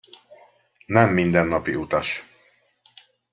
Nem mindennapi utas.